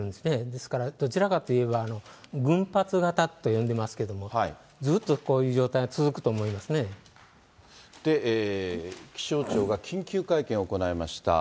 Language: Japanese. ですから、どちらかといえば、群発型と呼んでますけれども、ずっとこういう状態が続くと思いま気象庁が緊急会見を行いました。